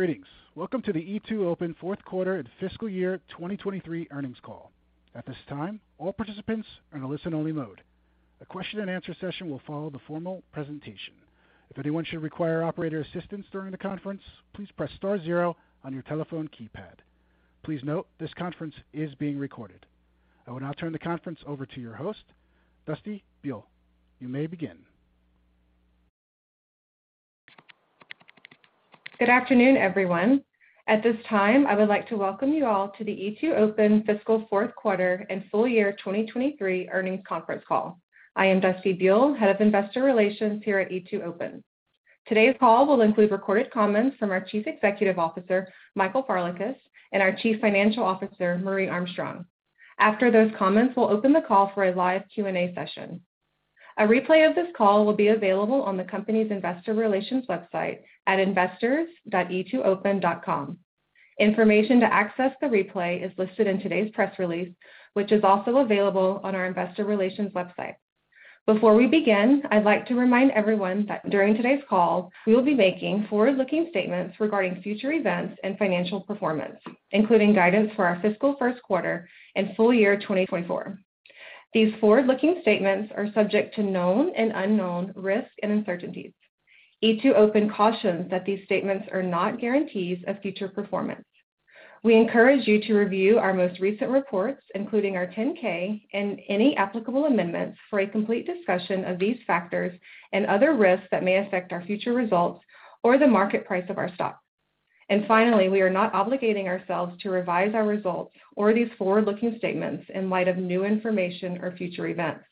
Greetings. Welcome to the E2open fourth quarter and fiscal year 2023 earnings call. At this time, all participants are in a listen-only mode. A question-and-answer session will follow the formal presentation. If anyone should require operator assistance during the conference, please press star zero on your telephone keypad. Please note this conference is being recorded. I will now turn the conference over to your host, Dusty Buell. You may begin. Good afternoon, everyone. At this time, I would like to welcome you all to the E2open fiscal fourth quarter and full year 2023 earnings conference call. I am Dusty Buell, Head of Investor Relations here at E2open. Today's call will include recorded comments from our Chief Executive Officer, Michael Farlekas, and our Chief Financial Officer, Marje Armstrong. After those comments, we'll open the call for a live Q&A session. A replay of this call will be available on the company's investor relations website at investors.e2open.com. Information to access the replay is listed in today's press release, which is also available on our investor relations website. Before we begin, I'd like to remind everyone that during today's call, we will be making forward-looking statements regarding future events and financial performance, including guidance for our fiscal first quarter and full year 2024. These forward-looking statements are subject to known and unknown risks and uncertainties. E2open cautions that these statements are not guarantees of future performance. We encourage you to review our most recent reports, including our 10-K and any applicable amendments, for a complete discussion of these factors and other risks that may affect our future results or the market price of our stock. Finally, we are not obligating ourselves to revise our results or these forward-looking statements in light of new information or future events.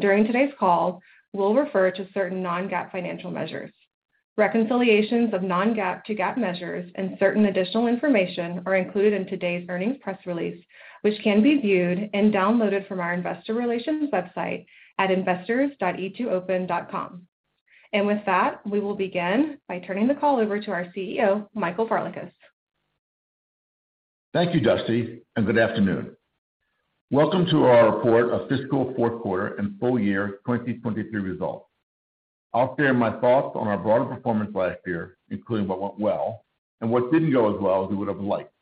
During today's call, we'll refer to certain non-GAAP financial measures. Reconciliations of non-GAAP to GAAP measures and certain additional information are included in today's earnings press release, which can be viewed and downloaded from our investor relations website at investors.e2open.com. With that, we will begin by turning the call over to our CEO, Michael Farlekas. Thank you, Dusty. Good afternoon. Welcome to our report of fiscal fourth quarter and full year 2023 results. I'll share my thoughts on our broader performance last year, including what went well and what didn't go as well as we would have liked.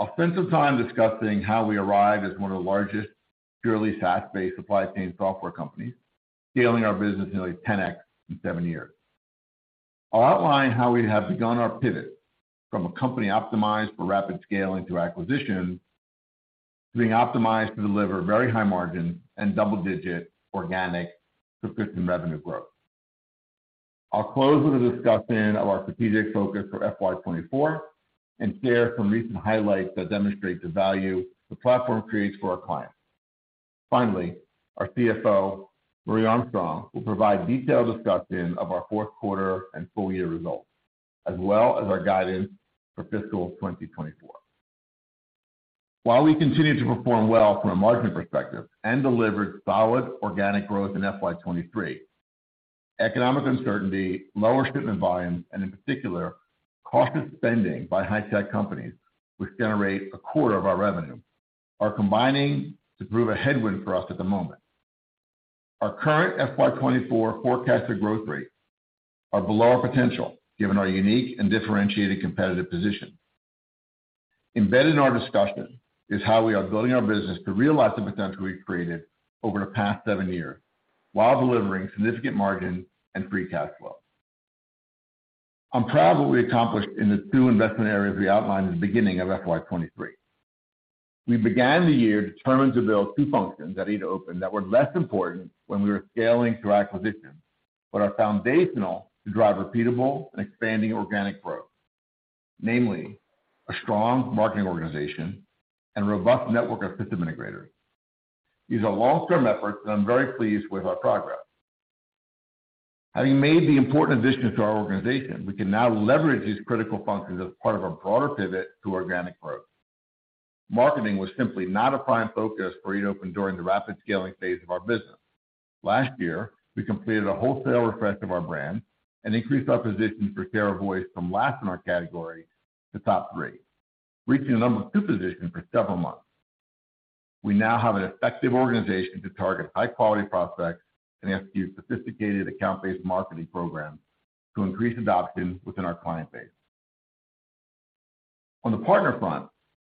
I'll spend some time discussing how we arrived as one of the largest purely SaaS-based supply chain software companies, scaling our business nearly 10x in seven years. I'll outline how we have begun our pivot from a company optimized for rapid scaling through acquisition to being optimized to deliver very high margin and double-digit organic subscription revenue growth. I'll close with a discussion of our strategic focus for FY 2024 and share some recent highlights that demonstrate the value the platform creates for our clients. Our CFO, Marje Armstrong, will provide detailed discussion of our fourth quarter and full year results, as well as our guidance for fiscal 2024. While we continued to perform well from a margin perspective and delivered solid organic growth in FY 2023, economic uncertainty, lower shipment volumes, and in particular, cautious spending by high-tech companies, which generate a quarter of our revenue, are combining to prove a headwind for us at the moment. Our current FY 2024 forecasted growth rates are below our potential, given our unique and differentiated competitive position. Embedded in our discussion is how we are building our business to realize the potential we've created over the past 7 years while delivering significant margin and free cash flow. I'm proud of what we accomplished in the two investment areas we outlined at the beginning of FY 2023. We began the year determined to build 2 functions at E2open that were less important when we were scaling through acquisition, but are foundational to drive repeatable and expanding organic growth, namely a strong marketing organization and a robust network of system integrators. These are long-term efforts. I'm very pleased with our progress. Having made the important additions to our organization, we can now leverage these critical functions as part of our broader pivot to organic growth. Marketing was simply not a prime focus for E2open during the rapid scaling phase of our business. Last year, we completed a wholesale refresh of our brand and increased our position for share of voice from last in our category to top 3, reaching the number 2 position for several months. We now have an effective organization to target high-quality prospects and execute sophisticated account-based marketing programs to increase adoption within our client base. On the partner front,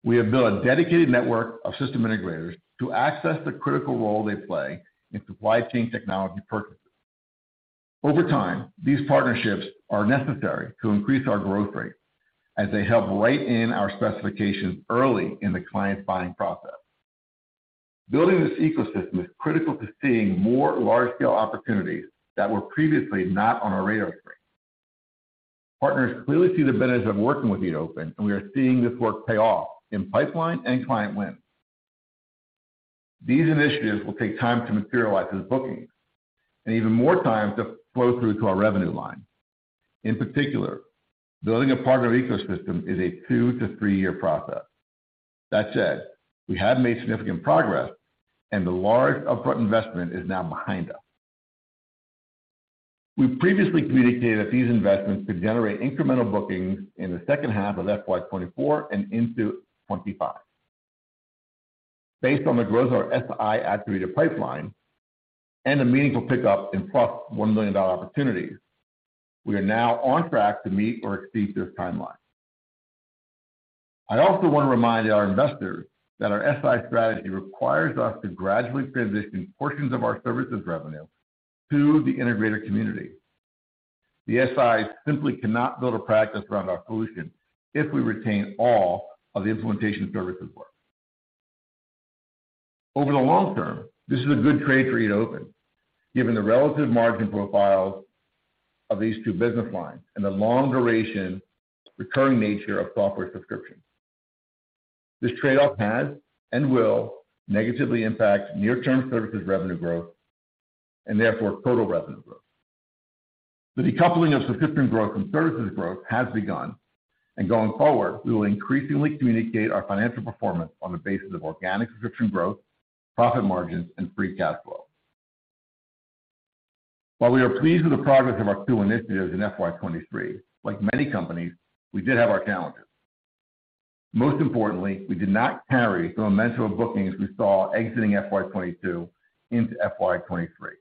we have built a dedicated network of system integrators to access the critical role they play in supply chain technology purchases. Over time, these partnerships are necessary to increase our growth rate as they help write in our specifications early in the client's buying process. Building this ecosystem is critical to seeing more large-scale opportunities that were previously not on our radar screen. Partners clearly see the benefits of working with E2open, and we are seeing this work pay off in pipeline and client wins. These initiatives will take time to materialize as bookings and even more time to flow through to our revenue line. In particular, building a partner ecosystem is a two-to-three year process. That said, we have made significant progress, and the large upfront investment is now behind us. We previously communicated that these investments could generate incremental bookings in the second half of FY 2024 and into 2025. Based on the growth of our SI-attributed pipeline and a meaningful pickup in +$1 million opportunities, we are now on track to meet or exceed this timeline. I also want to remind our investors that our SI strategy requires us to gradually transition portions of our services revenue to the integrator community. The SIs simply cannot build a practice around our solution if we retain all of the implementation services work. Over the long term, this is a good trade for E2open, given the relative margin profiles of these two business lines and the long duration recurring nature of software subscriptions. This trade-off has and will negatively impact near-term services revenue growth and therefore total revenue growth. The decoupling of subscription growth from services growth has begun, and going forward, we will increasingly communicate our financial performance on the basis of organic subscription growth, profit margins and free cash flow. While we are pleased with the progress of our two initiatives in FY 2023, like many companies, we did have our challenges. Most importantly, we did not carry the momentum of bookings we saw exiting FY 2022 into FY 2023.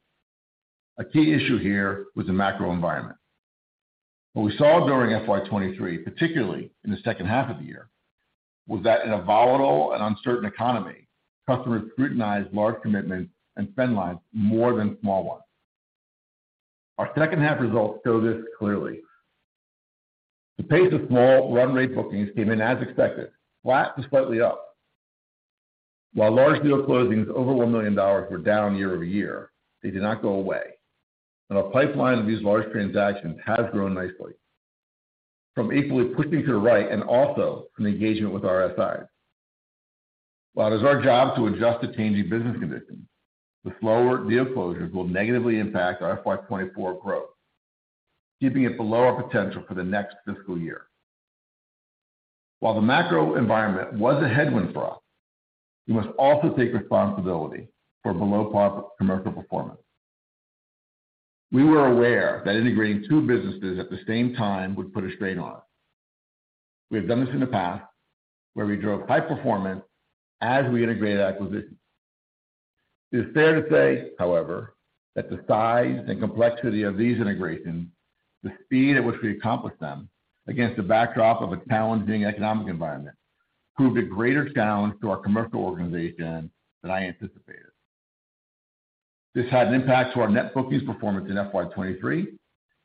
A key issue here was the macro environment. What we saw during FY 2023, particularly in the second half of the year, was that in a volatile and uncertain economy, customers scrutinized large commitments and spend lines more than small ones. Our second half results show this clearly. The pace of small run rate bookings came in as expected, flat to slightly up. Large deal closings over $1 million were down year-over-year, they did not go away, and our pipeline of these large transactions has grown nicely from equally pushing to the right and also from engagement with our SIs. While it is our job to adjust to changing business conditions, the slower deal closures will negatively impact our FY 2024 growth, keeping it below our potential for the next fiscal year. While the macro environment was a headwind for us, we must also take responsibility for below par commercial performance. We were aware that integrating two businesses at the same time would put a strain on us. We have done this in the past where we drove high performance as we integrated acquisitions. It is fair to say, however, that the size and complexity of these integrations, the speed at which we accomplished them against the backdrop of a challenging economic environment, proved a greater challenge to our commercial organization than I anticipated. This had an impact to our net bookings performance in FY 2023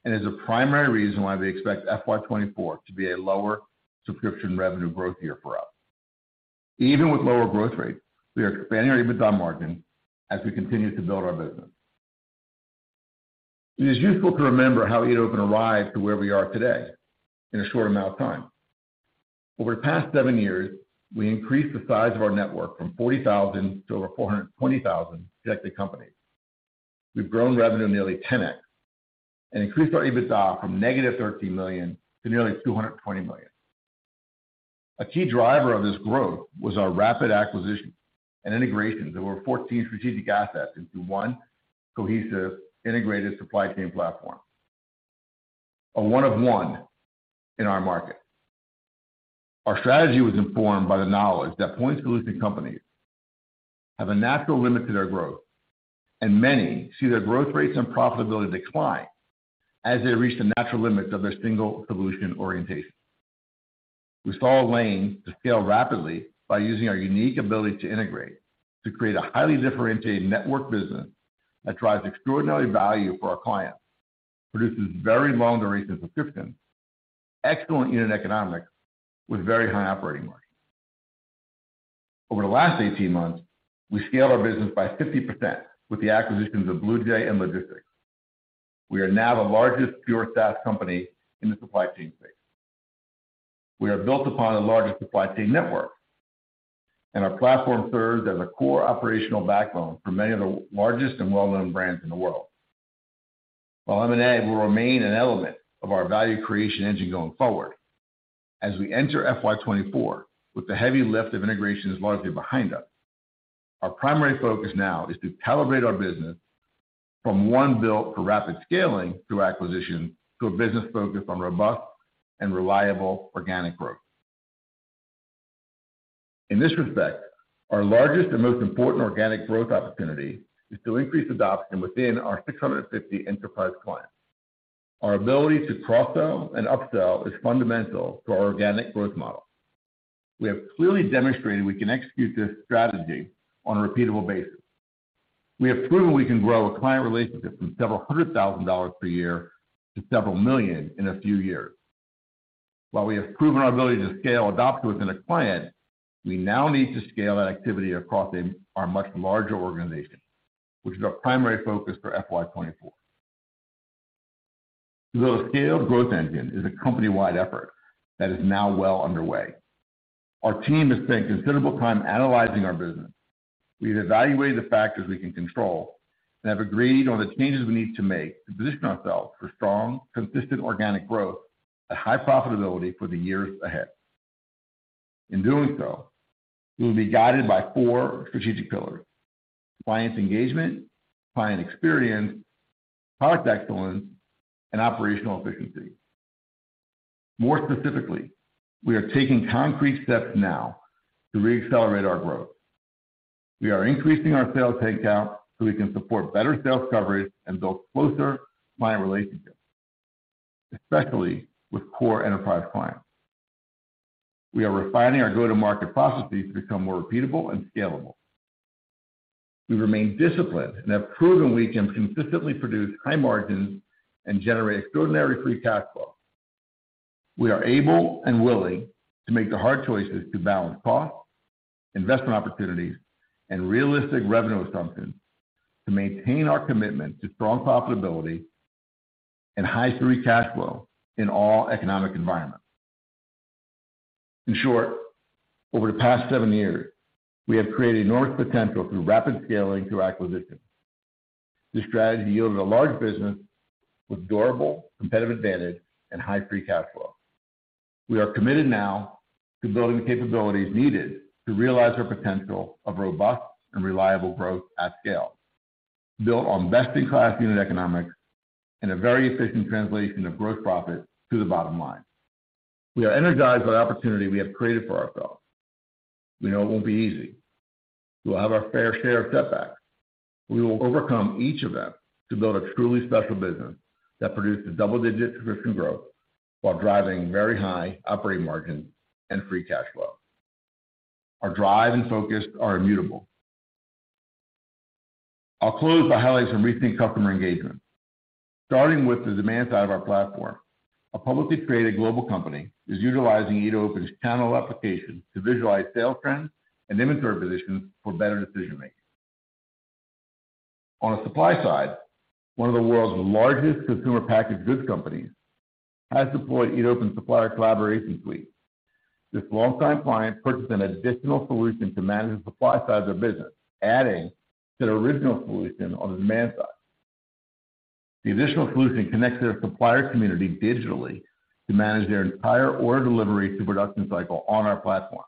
and is a primary reason why we expect FY 2024 to be a lower subscription revenue growth year for us. Even with lower growth rates, we are expanding our EBITDA margin as we continue to build our business. It is useful to remember how E2open arrived to where we are today in a short amount of time. Over the past seven years, we increased the size of our network from 40,000 to over 420,000 connected companies. We've grown revenue nearly 10x and increased our EBITDA from negative $13 million to nearly $220 million. A key driver of this growth was our rapid acquisition and integrations of over 14 strategic assets into one cohesive integrated supply chain platform. A one of one in our market. Our strategy was informed by the knowledge that point solution companies have a natural limit to their growth, and many see their growth rates and profitability decline as they reach the natural limits of their single solution orientation. We saw a lane to scale rapidly by using our unique ability to integrate, to create a highly differentiated network business that drives extraordinary value for our clients, produces very long duration subscriptions, excellent unit economics with very high operating margins. Over the last 18 months, we scaled our business by 50% with the acquisitions of BluJay and Logistyx. We are now the largest pure SaaS company in the supply chain space. We are built upon the largest supply chain network, and our platform serves as a core operational backbone for many of the largest and well-known brands in the world. While M&A will remain an element of our value creation engine going forward, as we enter FY 2024 with the heavy lift of integrations largely behind us, our primary focus now is to calibrate our business from one built for rapid scaling through acquisition to a business focused on robust and reliable organic growth. In this respect, our largest and most important organic growth opportunity is to increase adoption within our 650 enterprise clients. Our ability to cross-sell and upsell is fundamental to our organic growth model. We have clearly demonstrated we can execute this strategy on a repeatable basis. We have proven we can grow a client relationship from several hundred thousand dollars per year to $several million in a few years. While we have proven our ability to scale adoption within a client, we now need to scale that activity across our much larger organization, which is our primary focus for FY 2024. To build a scaled growth engine is a company-wide effort that is now well underway. Our team has spent considerable time analyzing our business. We've evaluated the factors we can control and have agreed on the changes we need to make to position ourselves for strong, consistent organic growth and high profitability for the years ahead. In doing so, we will be guided by four strategic pillars. Client engagement, client experience, product excellence, and operational efficiency. More specifically, we are taking concrete steps now to reaccelerate our growth. We are increasing our sales headcount so we can support better sales coverage and build closer client relationships, especially with core enterprise clients. We are refining our go-to-market processes to become more repeatable and scalable. We remain disciplined and have proven we can consistently produce high margins and generate extraordinary free cash flow. We are able and willing to make the hard choices to balance cost, investment opportunities, and realistic revenue assumptions to maintain our commitment to strong profitability and high free cash flow in all economic environments. In short, over the past seven years, we have created enormous potential through rapid scaling through acquisitions. This strategy yielded a large business with durable competitive advantage and high free cash flow. We are committed now to building the capabilities needed to realize our potential of robust and reliable growth at scale, built on best-in-class unit economics and a very efficient translation of gross profit to the bottom line. We are energized by the opportunity we have created for ourselves. We know it won't be easy. We'll have our fair share of setbacks. We will overcome each of them to build a truly special business that produces double-digit subscription growth while driving very high operating margins and free cash flow. Our drive and focus are immutable. I'll close by highlighting some recent customer engagement. Starting with the demand side of our platform, a publicly traded global company is utilizing E2open's Channel application to visualize sales trends and inventory positions for better decision-making. On the supply side, one of the world's largest consumer packaged goods companies has deployed E2open Supplier Collaboration Suite. This long-time client purchased an additional solution to manage the supply side of their business, adding to their original solution on the demand side. The additional solution connects their supplier community digitally to manage their entire order delivery to production cycle on our platform.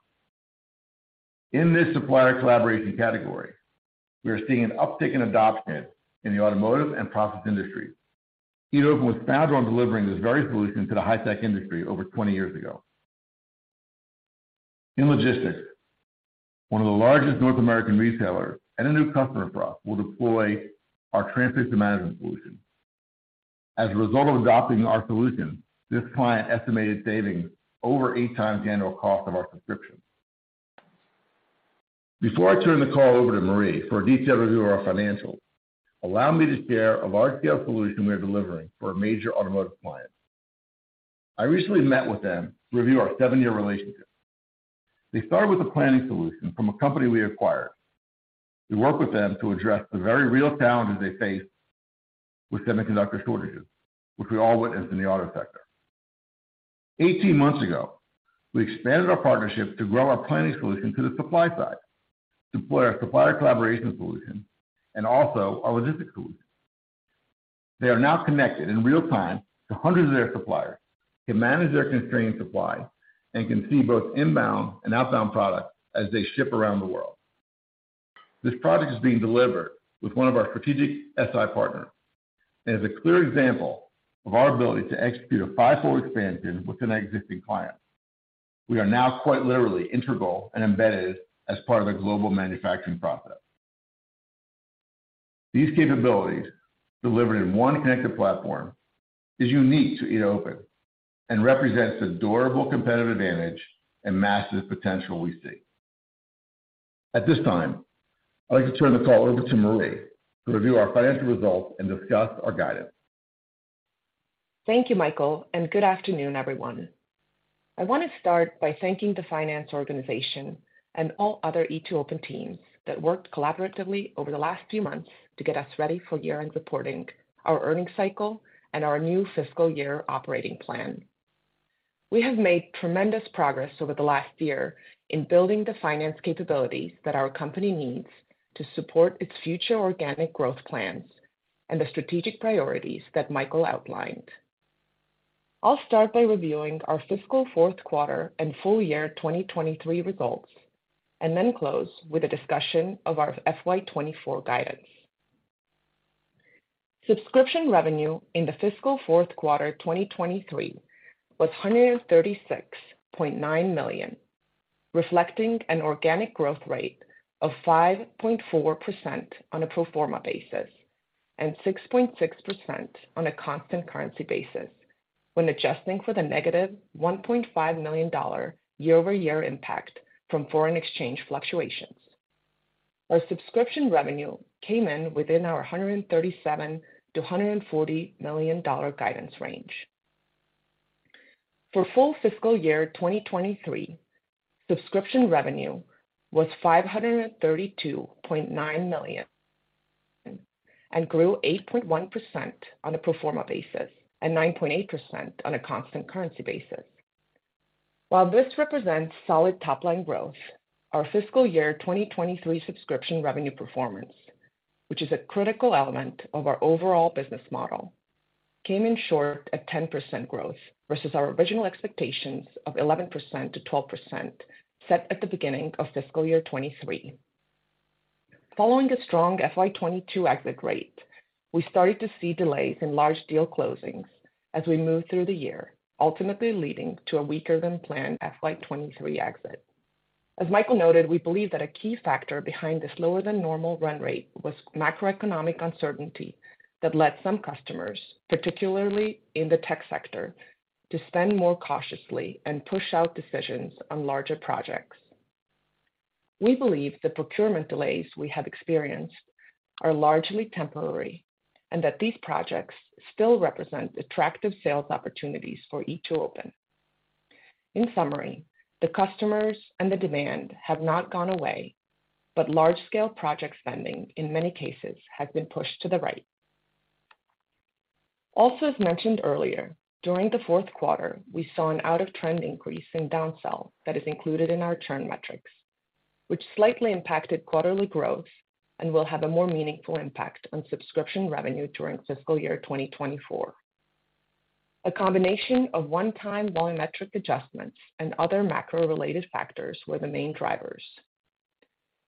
In this supplier collaboration category, we are seeing an uptick in adoption in the automotive and process industries. E2open was founded on delivering this very solution to the high-tech industry over 20 years ago. In logistics, one of the largest North American retailers and a new customer for us will deploy our Transportation Management solution. As a result of adopting our solution, this client estimated savings over eight times the annual cost of our subscription. Before I turn the call over to Marje for a detailed review of our financials, allow me to share a large-scale solution we are delivering for a major automotive client. I recently met with them to review our 7-year relationship. They started with a planning solution from a company we acquired. We worked with them to address the very real challenges they faced with semiconductor shortages, which we all witnessed in the auto sector. 18 months ago, we expanded our partnership to grow our planning solution to the supply side, deploy our Supplier Collaboration Suite, and also our logistics solution. They are now connected in real time to hundreds of their suppliers, can manage their constrained supply, and can see both inbound and outbound product as they ship around the world. This project is being delivered with one of our strategic SI partners and is a clear example of our ability to execute a 5-fold expansion with an existing client. We are now quite literally integral and embedded as part of their global manufacturing process. These capabilities, delivered in one connected platform, is unique to E2open and represents the durable competitive advantage and massive potential we see. At this time, I'd like to turn the call over to Marje to review our financial results and discuss our guidance. Thank you, Michael. Good afternoon, everyone. I want to start by thanking the finance organization and all other E2open teams that worked collaboratively over the last few months to get us ready for year-end reporting, our earnings cycle, and our new fiscal year operating plan. We have made tremendous progress over the last year in building the finance capabilities that our company needs to support its future organic growth plans and the strategic priorities that Michael outlined. I'll start by reviewing our fiscal fourth quarter and full year 2023 results, then close with a discussion of our FY 2024 guidance. Subscription revenue in the fiscal fourth quarter 2023 was $136.9 million, reflecting an organic growth rate of 5.4% on a pro forma basis, and 6.6% on a constant currency basis when adjusting for the negative $1.5 million year-over-year impact from foreign exchange fluctuations. Our subscription revenue came in within our $137 million-$140 million guidance range. For full fiscal year 2023, subscription revenue was $532.9 million and grew 8.1% on a pro forma basis and 9.8% on a constant currency basis. While this represents solid top-line growth, our fiscal year 2023 subscription revenue performance, which is a critical element of our overall business model, came in short at 10% growth versus our original expectations of 11%-12% set at the beginning of fiscal year 2023. Following a strong FY22 exit rate, we started to see delays in large deal closings as we moved through the year, ultimately leading to a weaker than planned FY23 exit. As Michael noted, we believe that a key factor behind the slower than normal run rate was macroeconomic uncertainty that led some customers, particularly in the tech sector, to spend more cautiously and push out decisions on larger projects. We believe the procurement delays we have experienced are largely temporary, and that these projects still represent attractive sales opportunities for E2open. In summary, the customers and the demand have not gone away. Large-scale project spending in many cases has been pushed to the right. As mentioned earlier, during the fourth quarter, we saw an out-of-trend increase in downsell that is included in our churn metrics, which slightly impacted quarterly growth and will have a more meaningful impact on subscription revenue during fiscal year 2024. A combination of one-time volumetric adjustments and other macro-related factors were the main drivers.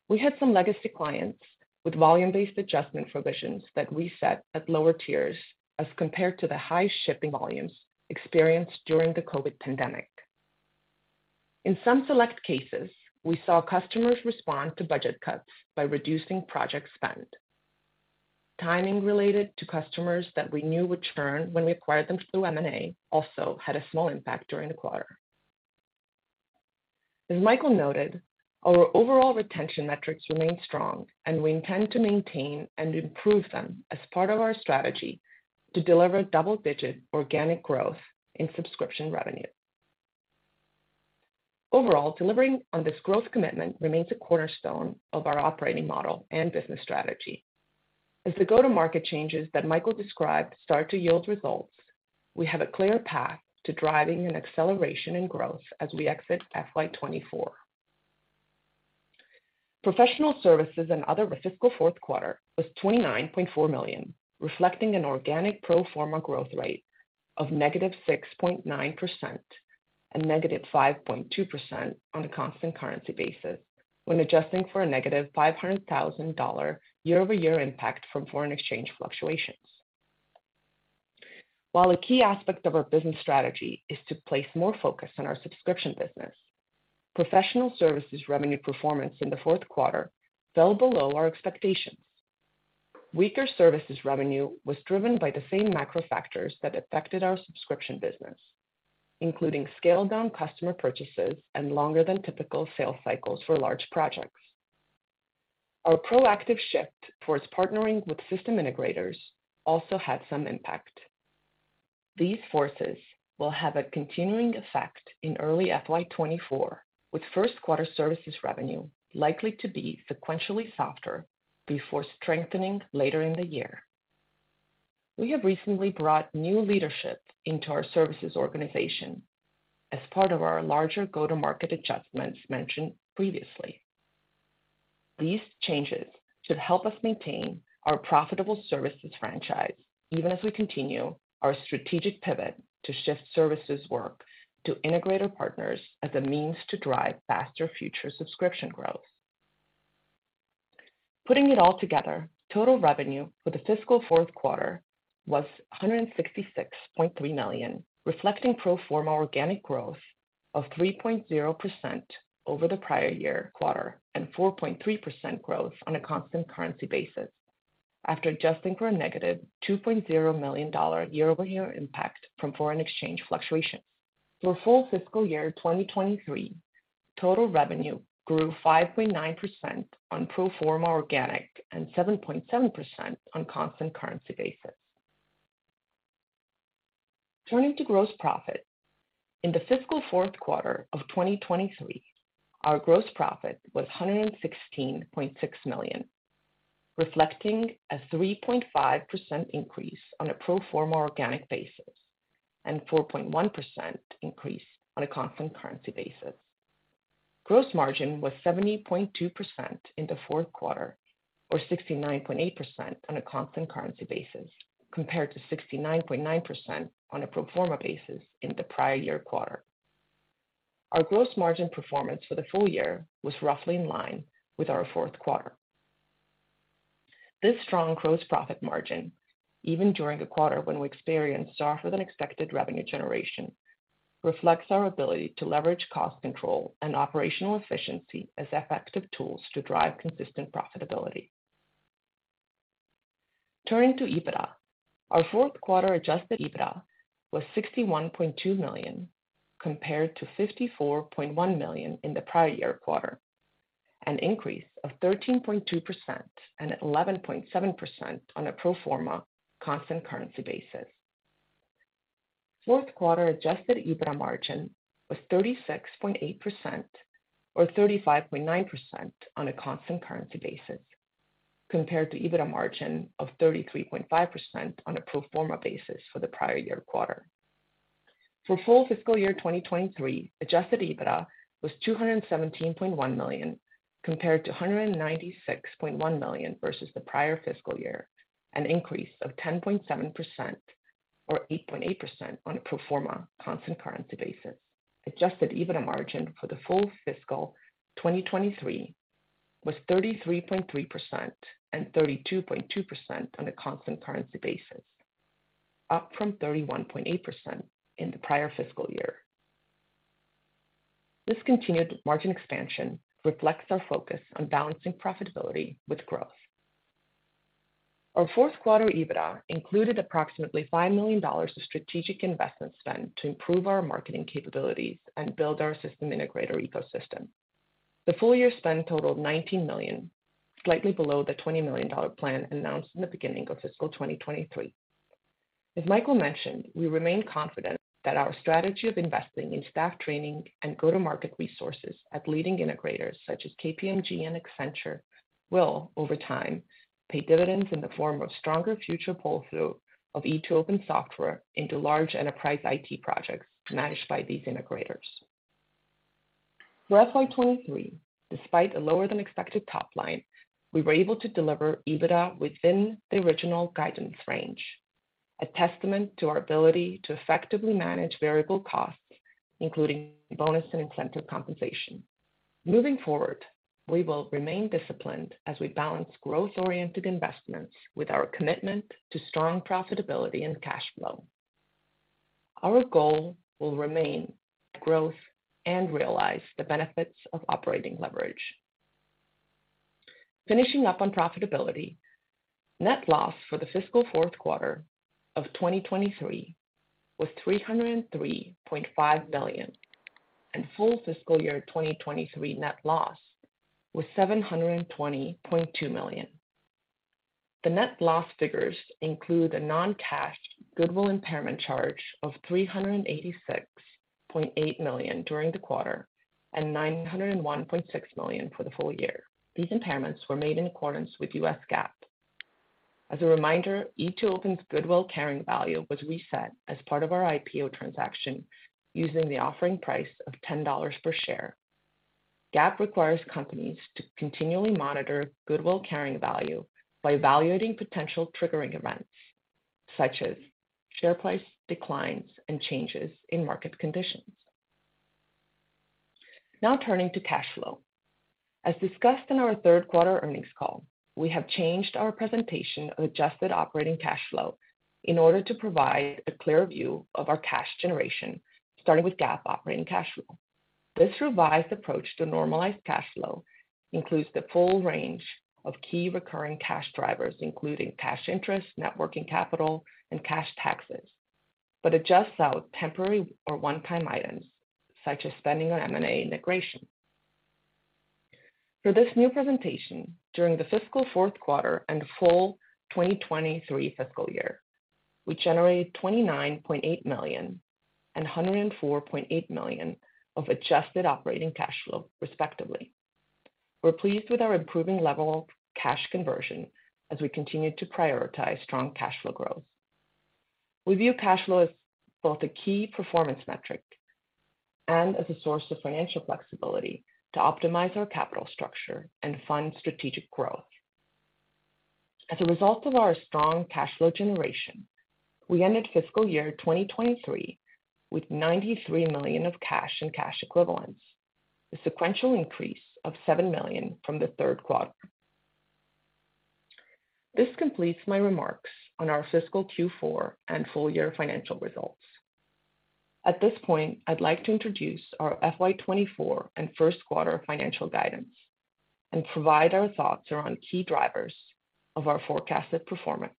We had some legacy clients with volume-based adjustment provisions that reset at lower tiers as compared to the high shipping volumes experienced during the COVID pandemic. In some select cases, we saw customers respond to budget cuts by reducing project spend. Timing related to customers that we knew would churn when we acquired them through M&A had a small impact during the quarter. As Michael noted, our overall retention metrics remain strong and we intend to maintain and improve them as part of our strategy to deliver double-digit organic growth in subscription revenue. Overall, delivering on this growth commitment remains a cornerstone of our operating model and business strategy. As the go-to-market changes that Michael described start to yield results, we have a clear path to driving an acceleration in growth as we exit FY 2024. Professional services and other fiscal fourth quarter was $29.4 million, reflecting an organic pro forma growth rate of -6.9% and -5.2% on a constant currency basis when adjusting for a negative $500,000 year-over-year impact from foreign exchange fluctuations. While a key aspect of our business strategy is to place more focus on our subscription business, professional services revenue performance in the 4th quarter fell below our expectations. Weaker services revenue was driven by the same macro factors that affected our subscription business, including scaled down customer purchases and longer than typical sales cycles for large projects. Our proactive shift towards partnering with system integrators also had some impact. These forces will have a continuing effect in early FY 2024, with 1st quarter services revenue likely to be sequentially softer before strengthening later in the year. We have recently brought new leadership into our services organization as part of our larger go-to-market adjustments mentioned previously. These changes should help us maintain our profitable services franchise even as we continue our strategic pivot to shift services work to integrator partners as a means to drive faster future subscription growth. Putting it all together, total revenue for the fiscal fourth quarter was $166.3 million, reflecting pro forma organic growth of 3.0% over the prior year quarter and 4.3% growth on a constant currency basis after adjusting for a negative $2.0 million year-over-year impact from foreign exchange fluctuations. For full fiscal year 2023, total revenue grew 5.9% on pro forma organic and 7.7% on constant currency basis. Turning to gross profit. In the fiscal fourth quarter of 2023, our gross profit was $116.6 million, reflecting a 3.5% increase on a pro forma organic basis and 4.1% increase on a constant currency basis. Gross margin was 70.2% in the fourth quarter, or 69.8% on a constant currency basis compared to 69.9% on a pro forma basis in the prior year quarter. Our gross margin performance for the full year was roughly in line with our fourth quarter. This strong gross profit margin, even during a quarter when we experienced softer than expected revenue generation, reflects our ability to leverage cost control and operational efficiency as effective tools to drive consistent profitability. Turning to EBITDA. Our fourth quarter adjusted EBITDA was $61.2 million compared to $54.1 million in the prior year quarter, an increase of 13.2% and 11.7% on a pro forma constant currency basis. Fourth quarter adjusted EBITDA margin was 36.8% or 35.9% on a constant currency basis compared to EBITDA margin of 33.5% on a pro forma basis for the prior year quarter. For full fiscal year 2023, adjusted EBITDA was $217.1 million compared to $196.1 million versus the prior fiscal year, an increase of 10.7% or 8.8% on a pro forma constant currency basis. Adjusted EBITDA margin for the full fiscal 2023 was 33.3% and 32.2% on a constant currency basis, up from 31.8% in the prior fiscal year. This continued margin expansion reflects our focus on balancing profitability with growth. Our fourth quarter EBITDA included approximately $5 million of strategic investment spend to improve our marketing capabilities and build our system integrator ecosystem. The full year spend totaled $19 million, slightly below the $20 million plan announced in the beginning of fiscal 2023. As Michael mentioned, we remain confident that our strategy of investing in staff training and go-to-market resources at leading integrators such as KPMG and Accenture will over time pay dividends in the form of stronger future pull-through of E2open software into large enterprise IT projects managed by these integrators. For FY 2023, despite a lower than expected top line, we were able to deliver EBITDA within the original guidance range, a testament to our ability to effectively manage variable costs, including bonus and incentive compensation. Moving forward, we will remain disciplined as we balance growth-oriented investments with our commitment to strong profitability and cash flow. Our goal will remain growth and realize the benefits of operating leverage. Finishing up on profitability, net loss for the fiscal fourth quarter of 2023 was $303.5 million, and full fiscal year 2023 net loss was $720.2 million. The net loss figures include a non-cash goodwill impairment charge of $386.8 million during the quarter, and $901.6 million for the full year. These impairments were made in accordance with US GAAP. As a reminder, E2open's goodwill carrying value was reset as part of our IPO transaction using the offering price of $10 per share. GAAP requires companies to continually monitor goodwill carrying value by evaluating potential triggering events such as share price declines and changes in market conditions. Now turning to cash flow. As discussed in our 3rd quarter earnings call, we have changed our presentation of adjusted operating cash flow in order to provide a clearer view of our cash generation, starting with GAAP operating cash flow. This revised approach to normalized cash flow includes the full range of key recurring cash drivers, including cash interest, networking capital, and cash taxes, but adjusts out temporary or one-time items such as spending on M&A integration. For this new presentation, during the fiscal 4th quarter and full 2023 fiscal year, we generated $29.8 million and $104.8 million of adjusted operating cash flow, respectively. We're pleased with our improving level of cash conversion as we continue to prioritize strong cash flow growth. We view cash flow as both a key performance metric and as a source of financial flexibility to optimize our capital structure and fund strategic growth. As a result of our strong cash flow generation, we ended fiscal year 2023 with $93 million of cash and cash equivalents, a sequential increase of $7 million from the third quarter. This completes my remarks on our fiscal Q4 and full year financial results. At this point, I'd like to introduce our FY 2024 and first quarter financial guidance and provide our thoughts around key drivers of our forecasted performance.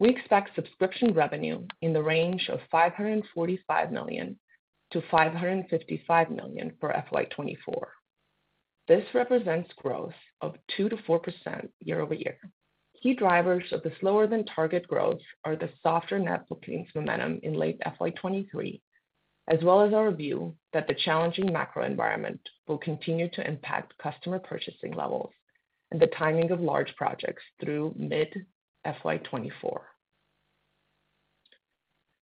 We expect subscription revenue in the range of $545 million-$555 million for FY 2024. This represents growth of 2%-4% year-over-year. Key drivers of the slower than target growth are the softer net bookings momentum in late FY 2023, as well as our view that the challenging macro environment will continue to impact customer purchasing levels and the timing of large projects through mid-FY 2024.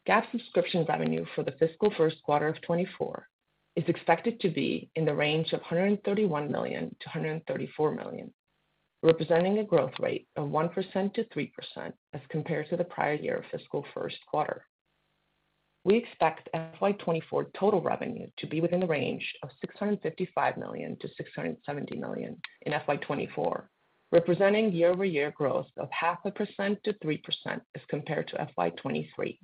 GAAP subscription revenue for the fiscal first quarter of 2024 is expected to be in the range of $131 million-$134 million, representing a growth rate of 1%-3% as compared to the prior year fiscal first quarter. We expect FY 2024 total revenue to be within the range of $655 million-$670 million in FY 2024, representing year-over-year growth of 0.5%-3% as compared to FY 2023.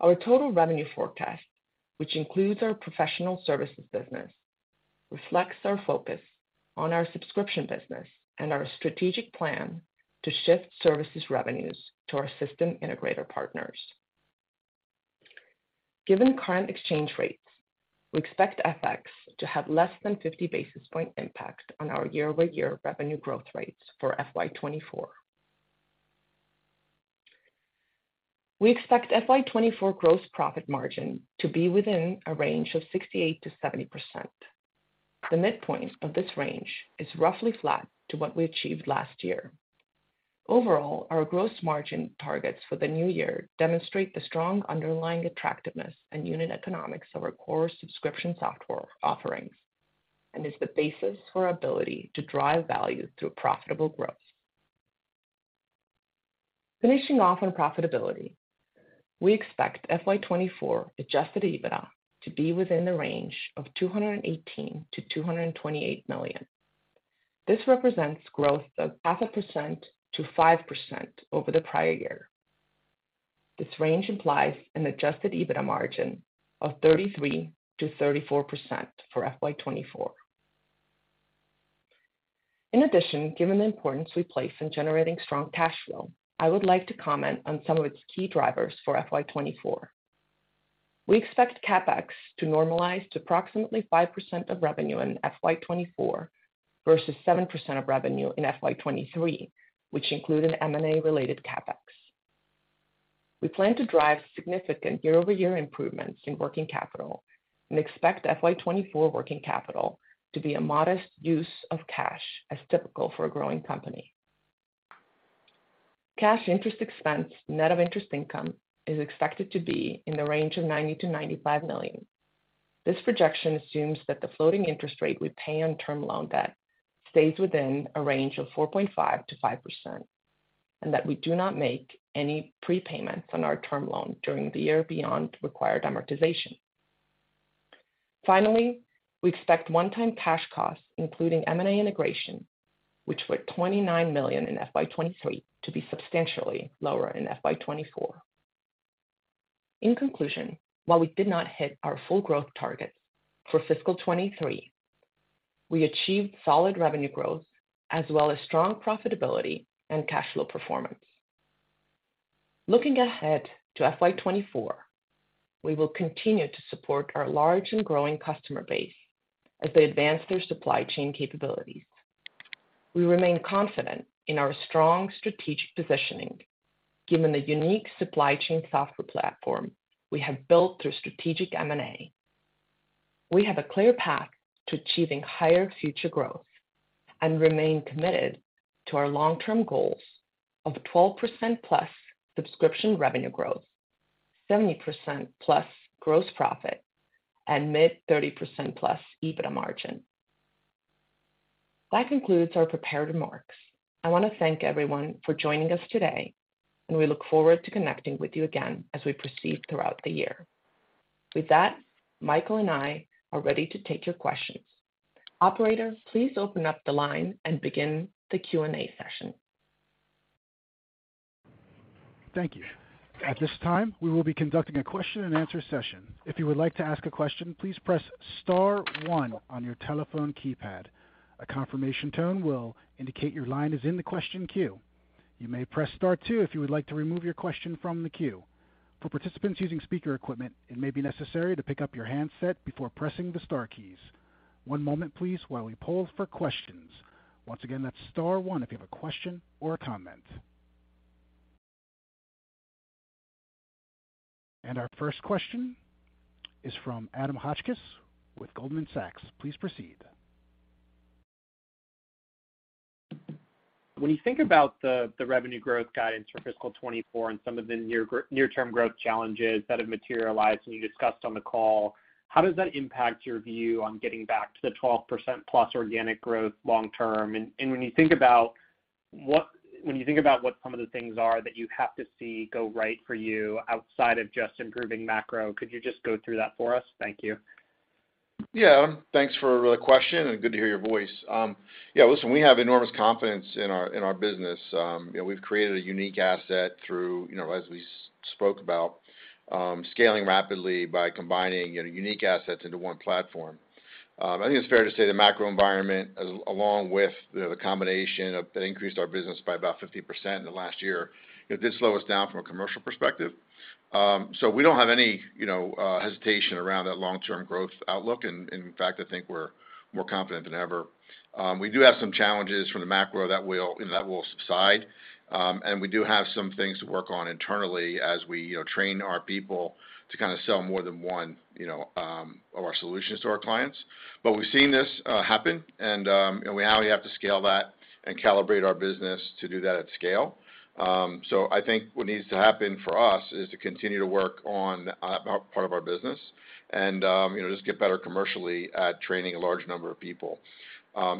Our total revenue forecast, which includes our professional services business, reflects our focus on our subscription business and our strategic plan to shift services revenues to our system integrator partners. Given current exchange rates, we expect FX to have less than 50 basis point impact on our year-over-year revenue growth rates for FY 2024. We expect FY 2024 gross profit margin to be within a range of 68%-70%. The midpoint of this range is roughly flat to what we achieved last year. Overall, our gross margin targets for the new year demonstrate the strong underlying attractiveness and unit economics of our core subscription software offerings. Is the basis for our ability to drive value through profitable growth. Finishing off on profitability, we expect FY 2024 adjusted EBITDA to be within the range of $218 million-$228 million. This represents growth of half a percent to 5% over the prior year. This range implies an adjusted EBITDA margin of 33%-34% for FY 2024. In addition, given the importance we place in generating strong cash flow, I would like to comment on some of its key drivers for FY 2024. We expect CapEx to normalize to approximately 5% of revenue in FY 2024 versus 7% of revenue in FY 2023, which include an M&A related CapEx. We plan to drive significant year-over-year improvements in working capital and expect FY 2024 working capital to be a modest use of cash, as typical for a growing company. Cash interest expense, net of interest income is expected to be in the range of $90 million-$95 million. This projection assumes that the floating interest rate we pay on term loan debt stays within a range of 4.5%-5%, that we do not make any prepayments on our term loan during the year beyond required amortization. Finally, we expect one-time cash costs, including M&A integration, which were $29 million in FY 2023 to be substantially lower in FY 2024. In conclusion, while we did not hit our full growth targets for fiscal 2023, we achieved solid revenue growth as well as strong profitability and cash flow performance. Looking ahead to FY 2024, we will continue to support our large and growing customer base as they advance their supply chain capabilities. We remain confident in our strong strategic positioning, given the unique supply chain software platform we have built through strategic M&A. We have a clear path to achieving higher future growth and remain committed to our long-term goals of 12%+ subscription revenue growth, 70%+ gross profit, and mid-30%+ EBITDA margin. That concludes our prepared remarks. I want to thank everyone for joining us today. We look forward to connecting with you again as we proceed throughout the year. With that, Michael and I are ready to take your questions. Operator, please open up the line and begin the Q&A session. Thank you. At this time, we will be conducting a question and answer session. If you would like to ask a question, please press star one on your telephone keypad. A confirmation tone will indicate your line is in the question queue. You may press star two if you would like to remove your question from the queue. For participants using speaker equipment, it may be necessary to pick up your handset before pressing the star keys. One moment please while we poll for questions. Once again, that's star one if you have a question or a comment. Our first question is from Adam Hotchkiss with Goldman Sachs. Please proceed. When you think about the revenue growth guidance for fiscal 2024 and some of the near term growth challenges that have materialized and you discussed on the call, how does that impact your view on getting back to the 12% plus organic growth long term? When you think about what some of the things are that you have to see go right for you outside of just improving macro, could you just go through that for us? Thank you. Thanks for the question, good to hear your voice. Listen, we have enormous confidence in our business. You know, we've created a unique asset through, you know, as we spoke about, scaling rapidly by combining, you know, unique assets into one platform. I think it's fair to say the macro environment, along with the combination of that increased our business by about 50% in the last year, it did slow us down from a commercial perspective. We don't have any, you know, hesitation around that long-term growth outlook. In fact, I think we're more confident than ever. We do have some challenges from the macro that will, you know, that will subside. We do have some things to work on internally as we, you know, train our people to kind of sell more than one, you know, of our solutions to our clients. We've seen this happen and we now have to scale that and calibrate our business to do that at scale. I think what needs to happen for us is to continue to work on our part of our business and, you know, just get better commercially at training a large number of people.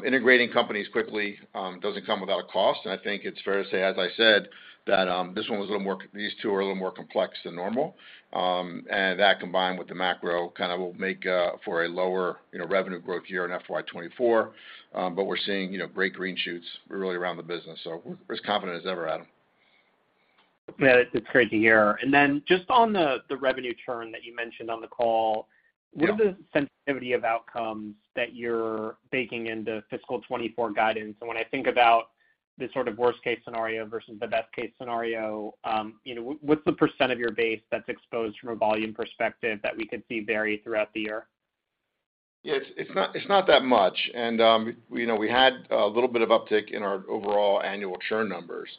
Integrating companies quickly doesn't come without a cost, and I think it's fair to say, as I said, that these two are a little more complex than normal. That combined with the macro kind of will make, you know, for a lower revenue growth year in FY 2024. We're seeing, you know, great green shoots really around the business, so we're as confident as ever, Adam. Yeah. It's great to hear. Just on the revenue churn that you mentioned on the call. Yeah. What are the sensitivity of outcomes that you're baking into fiscal 2024 guidance? When I think about the sort of worst case scenario versus the best case scenario, you know, what's the % of your base that's exposed from a volume perspective that we could see vary throughout the year? Yeah. It's not that much. You know, we had a little bit of uptick in our overall annual churn numbers.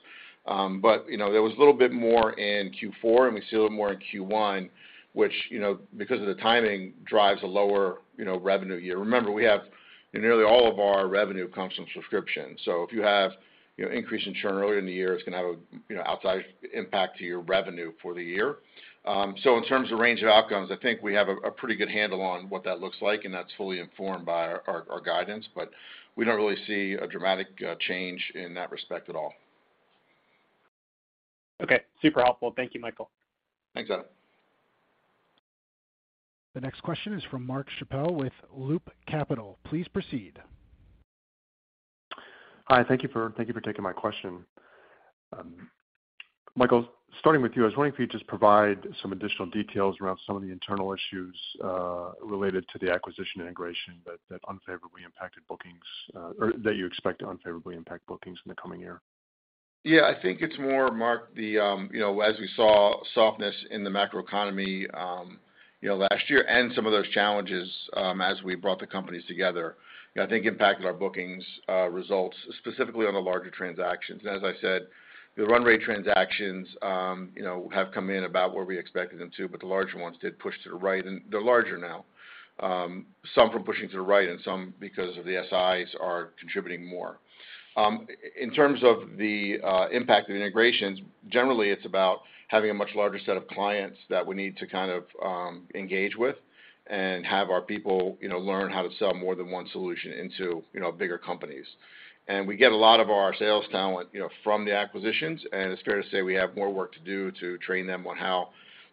You know, there was a little bit more in Q4, and we see a little more in Q1, which, you know, because of the timing drives a lower, you know, revenue year. Remember, we have, you know, nearly all of our revenue comes from subscription, so if you have, you know, increase in churn earlier in the year, it's gonna have, you know, outsized impact to your revenue for the year. In terms of range of outcomes, I think we have a pretty good handle on what that looks like, and that's fully informed by our guidance, but we don't really see a dramatic change in that respect at all. Okay, super helpful. Thank you, Michael. Thanks, Adam. The next question is from Mark Schappel with Loop Capital. Please proceed. Hi, thank you for taking my question. Michael, starting with you, I was wondering if you could just provide some additional details around some of the internal issues related to the acquisition integration that unfavorably impacted bookings or that you expect to unfavorably impact bookings in the coming year. Yeah. I think it's more, Mark, the, you know, as we saw softness in the macroeconomy, you know, last year and some of those challenges, as we brought the companies together, I think impacted our bookings, results, specifically on the larger transactions. As I said, the run rate transactions, you know, have come in about where we expected them to, but the larger ones did push to the right, and they're larger now, some from pushing to the right and some because of the SIs are contributing more. In terms of the impact of the integrations, generally it's about having a much larger set of clients that we need to kind of, engage with and have our people, you know, learn how to sell more than one solution into, you know, bigger companies. We get a lot of our sales talent, you know, from the acquisitions, and it's fair to say we have more work to do to train them on how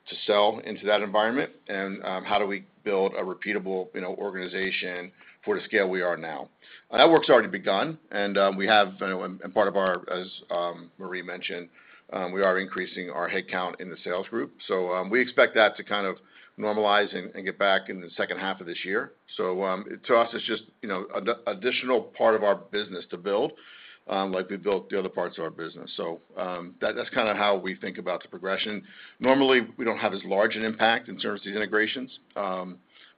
to sell into that environment and how do we build a repeatable, you know, organization for the scale we are now. That work's already begun. Part of our, as Marje mentioned, we are increasing our headcount in the sales group. We expect that to kind of normalize and get back in the second half of this year. To us, it's just, you know, additional part of our business to build, like we built the other parts of our business. That's kinda how we think about the progression. Normally, we don't have as large an impact in terms of these integrations,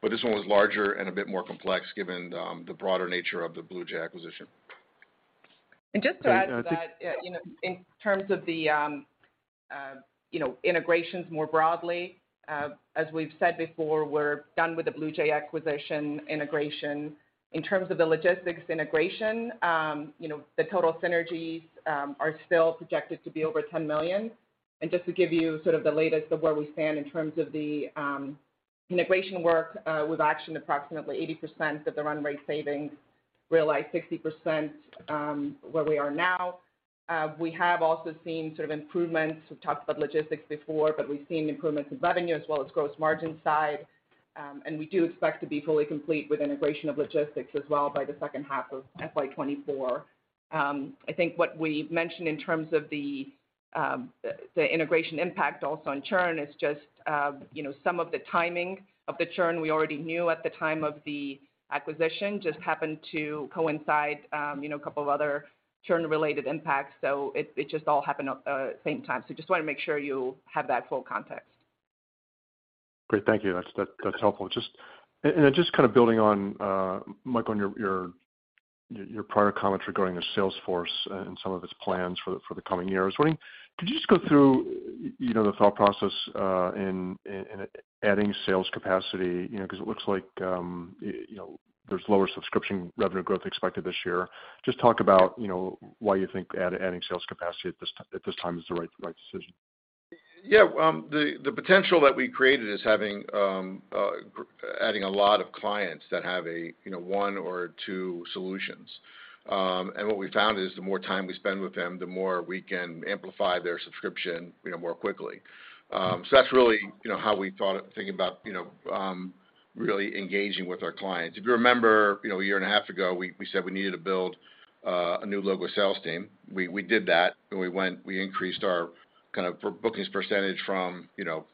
but this one was larger and a bit more complex given, the broader nature of the BluJay acquisition. Just to add to that, you know, in terms of the, you know, integrations more broadly, as we've said before, we're done with the BluJay acquisition integration. In terms of the logistics integration, you know, the total synergies are still projected to be over $10 million. Just to give you sort of the latest of where we stand in terms of the integration work, we've actioned approximately 80% of the run rate savings, realized 60% where we are now. We have also seen sort of improvements. We've talked about logistics before, but we've seen improvements in revenue as well as gross margin side. We do expect to be fully complete with integration of logistics as well by the second half of FY 2024. I think what we mentioned in terms of the integration impact also on churn is just, you know, some of the timing of the churn we already knew at the time of the acquisition just happened to coincide, you know, a couple of other churn-related impacts. It, it just all happened at the same time. Just wanna make sure you have that full context. Great. Thank you. That's, that's helpful. Just kind of building on, Michael, on your prior comments regarding the sales force and some of its plans for the coming years. Wondering, could you just go through, you know, the thought process, in adding sales capacity? You know, 'cause it looks like, you know, there's lower subscription revenue growth expected this year. Just talk about, you know, why you think adding sales capacity at this, at this time is the right decision. Yeah. The potential that we created is having adding a lot of clients that have, you know, one or two solutions. What we found is the more time we spend with them, the more we can amplify their subscription, you know, more quickly. That's really, you know, how we thought, think about, you know, really engaging with our clients. If you remember, you know, a year and a half ago, we said we needed to build a new logo sales team. We did that, and we increased our kind of bookings percentage from, you know,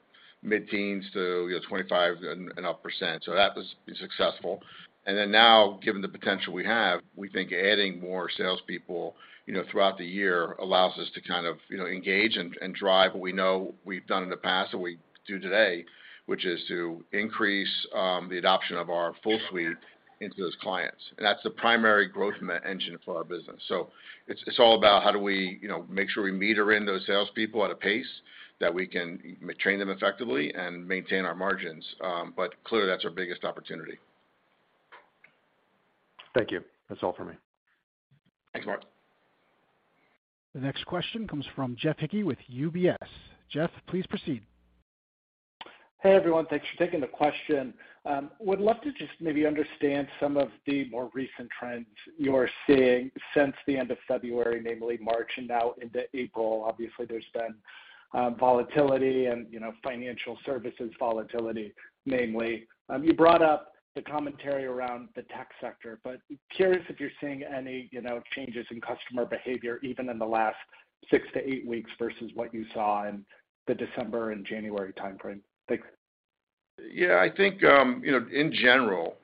mid-teens to, you know, 25% and up. That was successful. Then now, given the potential we have, we think adding more salespeople, you know, throughout the year allows us to kind of, you know, engage and drive what we know we've done in the past and we do today, which is to increase the adoption of our full suite into those clients. That's the primary growth engine for our business. It's, it's all about how do we, you know, make sure we meter in those salespeople at a pace that we can train them effectively and maintain our margins. Clearly that's our biggest opportunity. Thank you. That's all for me. Thanks, Mark. The next question comes from Jeff Hickey with UBS. Jeff, please proceed. Hey, everyone. Thanks for taking the question. Would love to just maybe understand some of the more recent trends you're seeing since the end of February, namely March and now into April. Obviously, there's been volatility and, you know, financial services volatility namely. You brought up the commentary around the tech sector, but curious if you're seeing any, you know, changes in customer behavior even in the last six to eight weeks versus what you saw in the December and January timeframe. Thanks. Yeah. I think, you know, in general,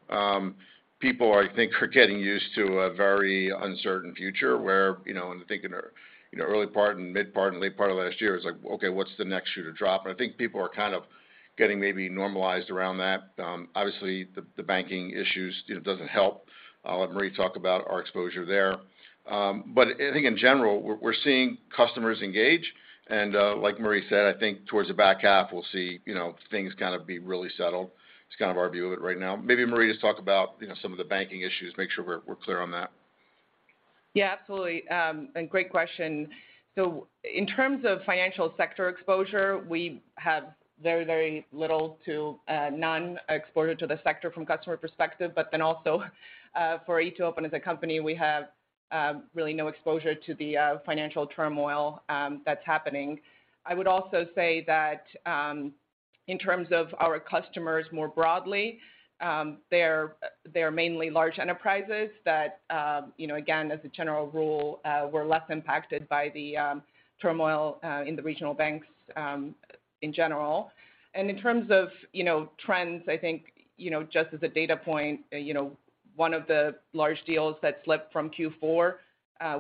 people I think are getting used to a very uncertain future where, you know, and I'm thinking, you know, early part and mid part and late part of last year is like, okay, what's the next shoe to drop? I think people are kind of getting maybe normalized around that. Obviously, the banking issues, you know, doesn't help. I'll let Marje talk about our exposure there. I think in general, we're seeing customers engage. Like Marje said, I think towards the back half we'll see, you know, things kind of be really settled. It's kind of our view of it right now. Maybe Marje just talk about, you know, some of the banking issues, make sure we're clear on that. Yeah, absolutely. Great question. In terms of financial sector exposure, we have very, very little to none exposure to the sector from customer perspective, but then also for E2open as a company, we have really no exposure to the financial turmoil that's happening. I would also say that in terms of our customers more broadly, they're mainly large enterprises that, you know, again, as a general rule, were less impacted by the turmoil in the regional banks in general. In terms of, you know, trends, I think, you know, just as a data point, you know, one of the large deals that slipped from Q4,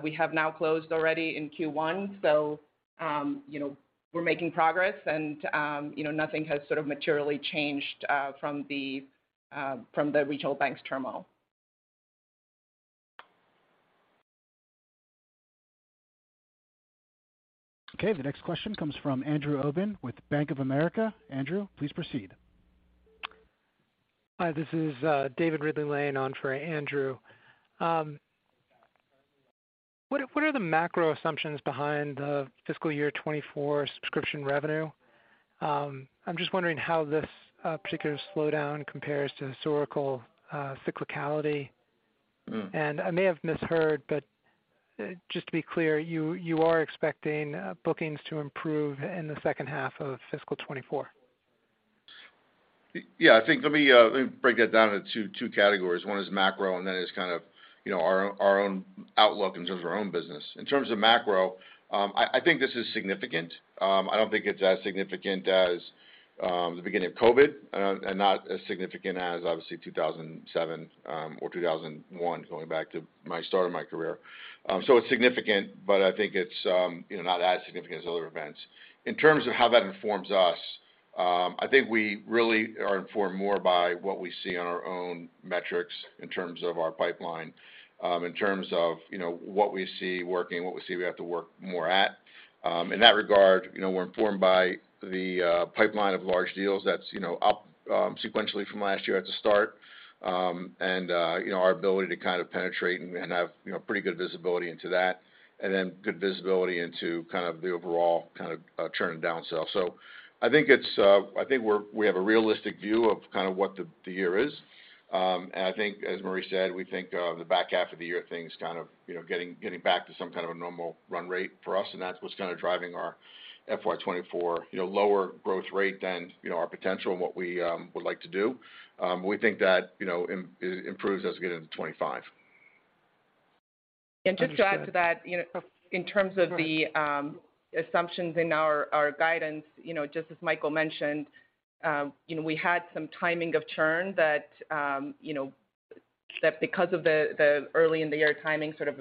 we have now closed already in Q1. you know, we're making progress and, you know, nothing has sort of materially changed from the, from the regional bank's turmoil. Okay. The next question comes from Andrew Obin with Bank of America. Andrew, please proceed. Hi, this is David Ridley-Lane on for Andrew. What are the macro assumptions behind the fiscal year 2024 subscription revenue? I'm just wondering how this particular slowdown compares to historical cyclicality. I may have misheard, but just to be clear, you are expecting bookings to improve in the second half of fiscal 2024? I think let me, let me break that down into two categories. One is macro, and then it's kind of, you know, our own, our own outlook in terms of our own business. In terms of macro, I think this is significant. I don't think it's as significant as the beginning of COVID, and not as significant as obviously 2007, or 2001, going back to my start of my career. It's significant, but I think it's, you know, not as significant as other events. In terms of how that informs us, I think we really are informed more by what we see on our own metrics in terms of our pipeline, in terms of, you know, what we see working, what we see we have to work more at. In that regard, you know, we're informed by the pipeline of large deals that's, you know, up sequentially from last year at the start. You know, our ability to kind of penetrate and have, you know, pretty good visibility into that, and then good visibility into kind of the overall kind of churn and down sell. I think it's, I think we have a realistic view of kind of what the year is. I think, as Marje said, we think the back half of the year things kind of, you know, getting back to some kind of a normal run rate for us, and that's what's kind of driving our FY24, you know, lower growth rate than, you know, our potential and what we would like to do. We think that, you know, it improves as we get into 2025. Just to add to that, you know, in terms of the assumptions in our guidance, you know, just as Michael mentioned, you know, we had some timing of churn that, you know, that because of the early in the year timing sort of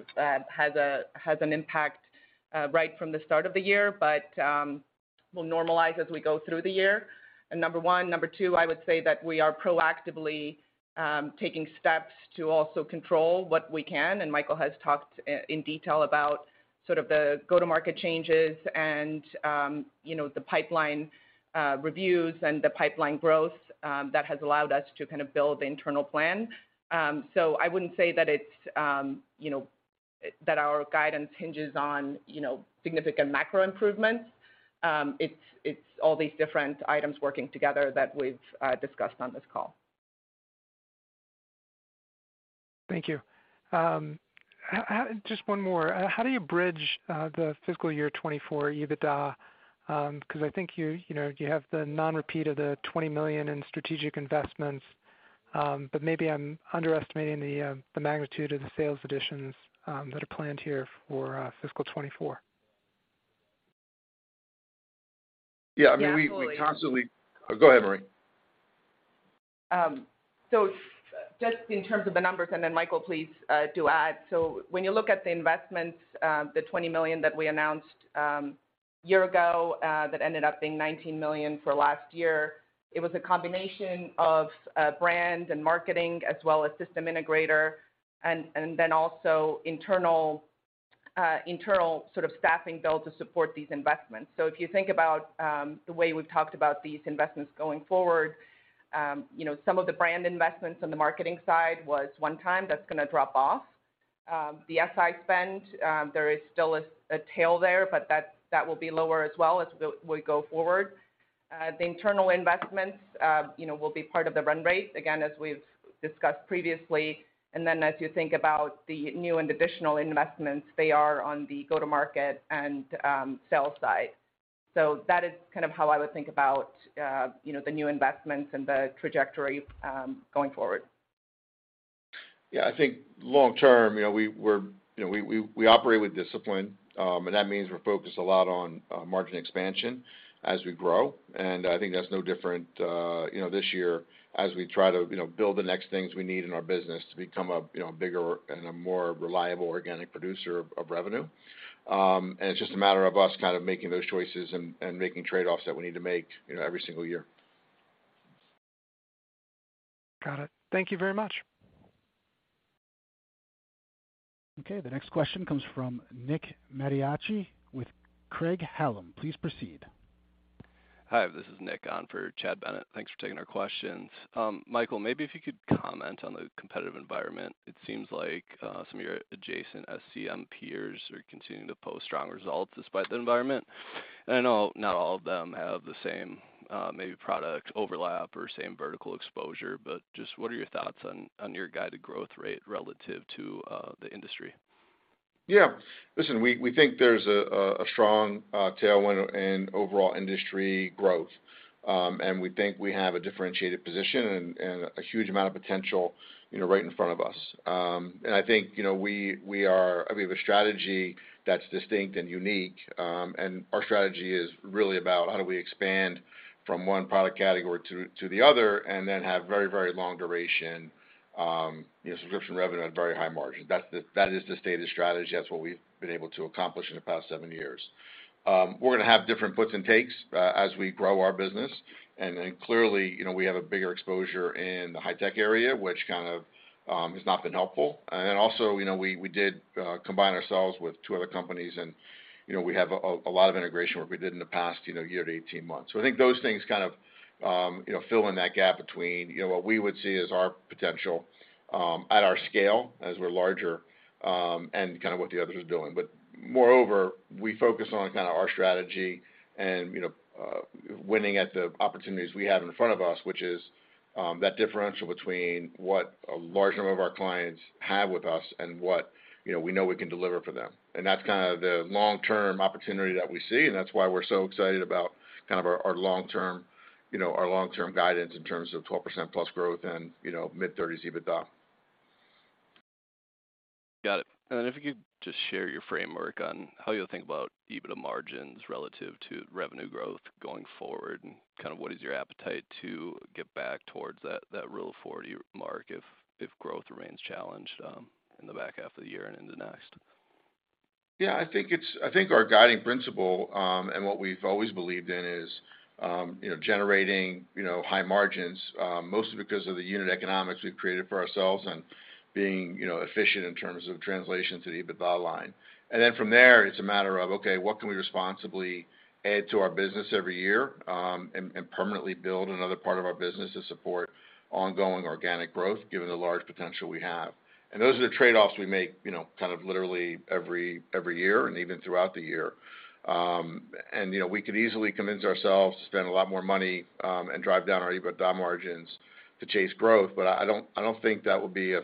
has a, has an impact right from the start of the year, but will normalize as we go through the year. Number one. Number two, I would say that we are proactively taking steps to also control what we can. Michael has talked in detail about sort of the go-to-market changes and, you know, the pipeline reviews and the pipeline growth that has allowed us to kind of build the internal plan. I wouldn't say that it's, you know, that our guidance hinges on, you know, significant macro improvements. It's all these different items working together that we've discussed on this call. Thank you. Just one more. How do you bridge the fiscal year 2024 EBITDA? Because I think you know, you have the non-repeat of the $20 million in strategic investments, but maybe I'm underestimating the magnitude of the sales additions that are planned here for fiscal 2024. Yeah. I mean, we. Yeah. Totally. Go ahead, Marje. Just in terms of the numbers, and then Michael, please, do add. When you look at the investments, the $20 million that we announced a year ago, that ended up being $19 million for last year, it was a combination of brand and marketing as well as system integrator and then also internal sort of staffing build to support these investments. If you think about the way we've talked about these investments going forward, you know, some of the brand investments on the marketing side was one time that's gonna drop off. The SI spend, there is still a tail there, but that will be lower as well as we go forward. The internal investments, you know, will be part of the run rate again, as we've discussed previously. As you think about the new and additional investments, they are on the go-to-market and sell side. That is kind of how I would think about, you know, the new investments and the trajectory going forward. Yeah. I think long term, you know, we operate with discipline, that means we're focused a lot on margin expansion as we grow. I think that's no different, you know, this year as we try to, you know, build the next things we need in our business to become a, you know, bigger and a more reliable organic producer of revenue. It's just a matter of us kind of making those choices and making trade-offs that we need to make, you know, every single year. Got it. Thank you very much. Okay. The next question comes from Nick Mattiacci with Craig-Hallum. Please proceed. Hi, this is Nick on for Chad Bennett. Thanks for taking our questions. Michael, maybe if you could comment on the competitive environment. It seems like some of your adjacent SCM peers are continuing to post strong results despite the environment. I know not all of them have the same maybe product overlap or same vertical exposure, but just what are your thoughts on your guided growth rate relative to the industry? Yeah. Listen, we think there's a strong tailwind in overall industry growth. We think we have a differentiated position and a huge amount of potential, you know, right in front of us. I think, you know, we have a strategy that's distinct and unique, and our strategy is really about how do we expand from one product category to the other, and then have very, very long duration, you know, subscription revenue at very high margins. That is the stated strategy. That's what we've been able to accomplish in the past seven years. We're gonna have different puts and takes as we grow our business. Clearly, you know, we have a bigger exposure in the high-tech area, which kind of has not been helpful. Also, you know, we did combine ourselves with two other companies and, you know, we have a lot of integration work we did in the past, you know, year to 18 months. I think those things kind of, you know, fill in that gap between, you know, what we would see as our potential at our scale as we're larger and kind of what the other is doing. Moreover, we focus on kind of our strategy and, you know, winning at the opportunities we have in front of us, which is, that differential between what a large number of our clients have with us and what, you know, we know we can deliver for them. That's kind of the long-term opportunity that we see, and that's why we're so excited about kind of our long-term, you know, our long-term guidance in terms of 12%+ growth and, you know, mid-30s EBITDA. Got it. Then if you could just share your framework on how you think about EBITDA margins relative to revenue growth going forward, and kind of what is your appetite to get back towards that Rule of 40 mark if growth remains challenged in the back half of the year and into next? Yeah, I think our guiding principle, and what we've always believed in is, you know, generating, you know, high margins, mostly because of the unit economics we've created for ourselves and being, you know, efficient in terms of translation to the EBITDA line. Then from there, it's a matter of, okay, what can we responsibly add to our business every year, and permanently build another part of our business to support ongoing organic growth given the large potential we have. Those are the trade-offs we make, you know, kind of literally every year and even throughout the year. You know, we could easily convince ourselves to spend a lot more money and drive down our EBITDA margins to chase growth, but I don't think that would be a,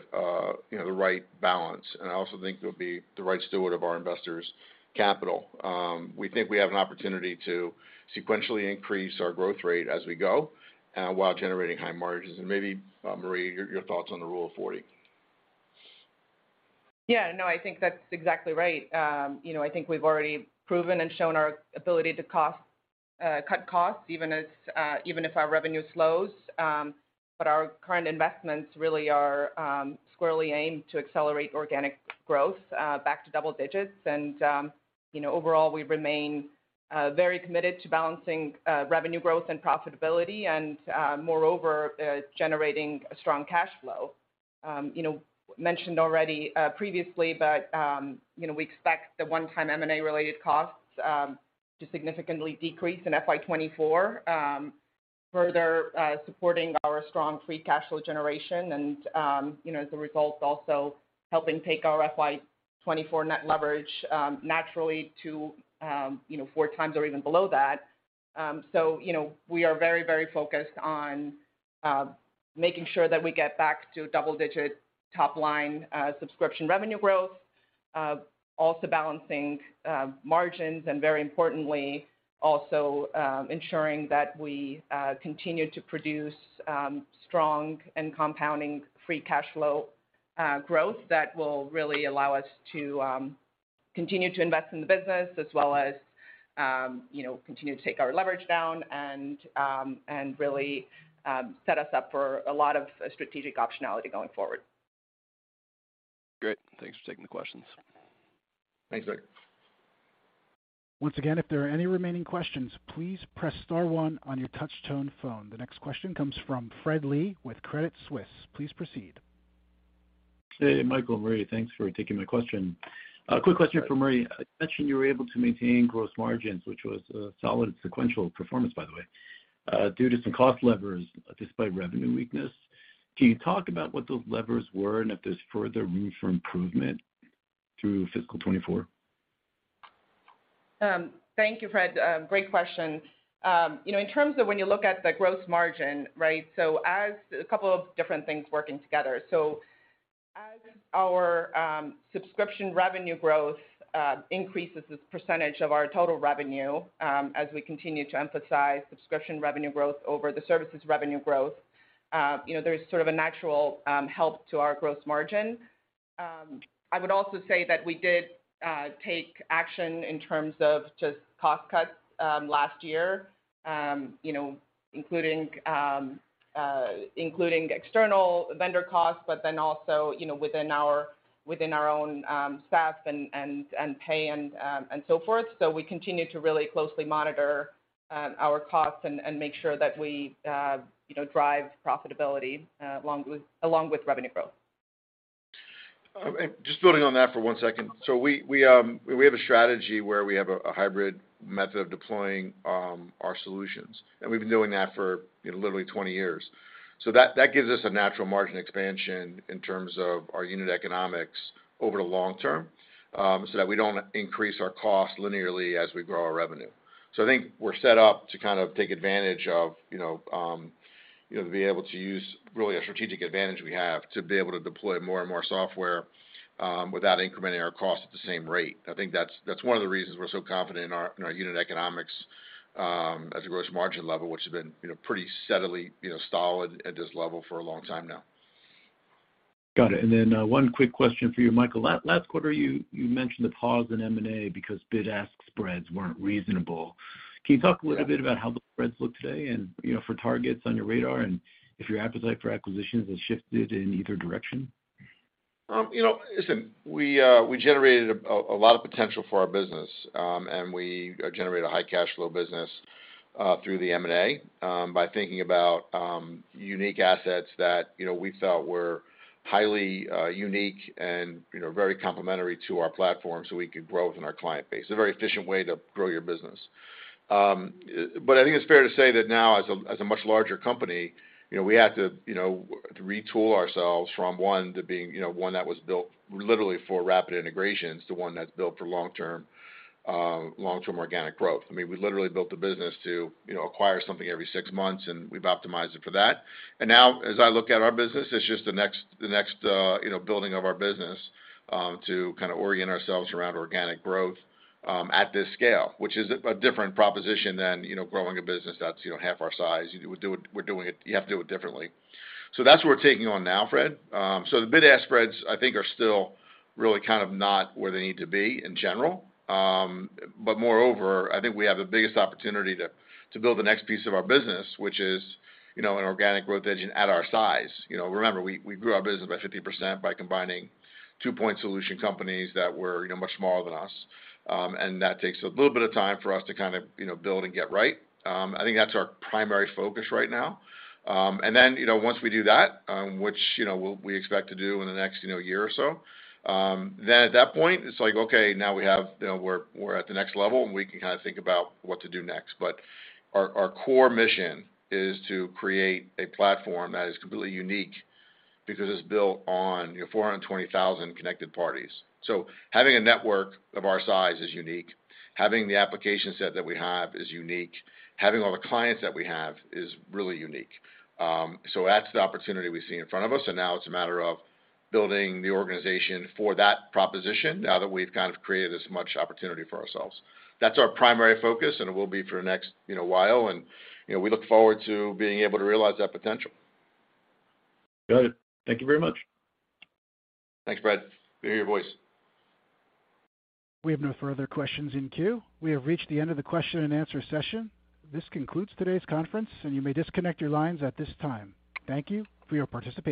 you know, the right balance, and I also think it would be the right steward of our investors' capital. We think we have an opportunity to sequentially increase our growth rate as we go while generating high margins. Maybe, Marje, your thoughts on the Rule of 40. that's exactly right. You know, I think we've already proven and shown our ability to cut costs even as, even if our revenue slows. But our current investments really are squarely aimed to accelerate organic growth back to double digits. And, you know, overall, we remain very committed to balancing revenue growth and profitability and, moreover, generating a strong cash flow. You know, mentioned already previously, but, you know, we expect the one-time M&A-related costs to significantly decrease in FY 2024, further supporting our strong free cash flow generation and, you know, as a result, also helping take our FY 2024 net leverage naturally to, you know, 4 times or even below that. You know, we are very, very focused on making sure that we get back to double-digit top line subscription revenue growth, also balancing margins, and very importantly, also ensuring that we continue to produce strong and compounding free cash flow growth that will really allow us to continue to invest in the business as well as, you know, continue to take our leverage down and and really set us up for a lot of strategic optionality going forward. Great. Thanks for taking the questions. Thanks, Victor. Once again, if there are any remaining questions, please press star one on your touch tone phone. The next question comes from Fred Lee with Credit Suisse. Please proceed. Hey, Michael and Marje, thanks for taking my question. Quick question for Marje. I imagine you were able to maintain gross margins, which was a solid sequential performance by the way, due to some cost levers despite revenue weakness. Can you talk about what those levers were and if there's further room for improvement through fiscal 2024? Thank you, Fred. Great question. You know, in terms of when you look at the gross margin, right. As a couple of different things working together. As our subscription revenue growth increases the percentage of our total revenue, as we continue to emphasize subscription revenue growth over the services revenue growth, you know, there's sort of a natural help to our gross margin. I would also say that we did take action in terms of just cost cuts last year, you know, including external vendor costs, but then also, you know, within our within our own staff and pay and so forth. We continue to really closely monitor, our costs and make sure that we, you know, drive profitability, along with revenue growth. Just building on that for one second. We have a strategy where we have a hybrid method of deploying our solutions, and we've been doing that for, you know, literally 20 years. That gives us a natural margin expansion in terms of our unit economics over the long term, so that we don't increase our cost linearly as we grow our revenue. I think we're set up to kind of take advantage of, you know, be able to use really a strategic advantage we have to be able to deploy more and more software without incrementing our costs at the same rate. I think that's one of the reasons we're so confident in our, in our unit economics, as a gross margin level, which has been, you know, pretty steadily, you know, solid at this level for a long time now. Got it. One quick question for you, Michael. Last quarter, you mentioned the pause in M&A because bid-ask spreads weren't reasonable. Can you talk a little bit about how the spreads look today and, you know, for targets on your radar and if your appetite for acquisitions has shifted in either direction? You know, listen, we generated a lot of potential for our business, and we generate a high cash flow business through the M&A by thinking about unique assets that, you know, we felt were highly unique and, you know, very complementary to our platform so we could grow within our client base, a very efficient way to grow your business. I think it's fair to say that now as a much larger company, you know, we have to retool ourselves from one to being one that was built literally for rapid integrations to one that's built for long-term organic growth. I mean, we literally built the business to acquire something every six months, and we've optimized it for that. Now, as I look at our business, it's just the next, you know, building of our business, to kind of orient ourselves around organic growth, at this scale, which is a different proposition than, you know, growing a business that's, you know, half our size. You have to do it differently. That's what we're taking on now, Fred. The bid-ask spreads, I think are still really kind of not where they need to be in general. Moreover, I think we have the biggest opportunity to build the next piece of our business, which is, you know, an organic growth engine at our size. You know, remember, we grew our business by 50% by combining 2 point solution companies that were, you know, much smaller than us. That takes a little bit of time for us to kind of, you know, build and get right. I think that's our primary focus right now. Then, you know, once we do that, which, you know, we expect to do in the next, you know, year or so, then at that point it's like, okay, now we have, you know, we're at the next level, and we can kind of think about what to do next. Our, our core mission is to create a platform that is completely unique because it's built on, you know, 420,000 connected parties. Having a network of our size is unique. Having the application set that we have is unique. Having all the clients that we have is really unique. That's the opportunity we see in front of us, and now it's a matter of building the organization for that proposition now that we've kind of created this much opportunity for ourselves. That's our primary focus, and it will be for the next, you know, while, and, you know, we look forward to being able to realize that potential. Got it. Thank you very much. Thanks, Fred. Hear your voice. We have no further questions in queue. We have reached the end of the question and answer session. This concludes today's conference, and you may disconnect your lines at this time. Thank you for your participation.